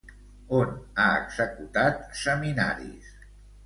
On ha executat seminaris?